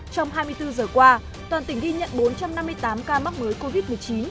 trong hai mươi bốn giờ qua toàn tỉnh ghi nhận bốn trăm năm mươi tám ca mắc mới covid một mươi chín